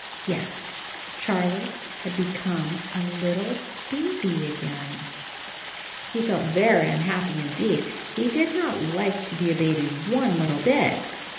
Yes, Charlie had be come a little baby again! He felt very un happy indeed; he did not like to be a baby one little bit.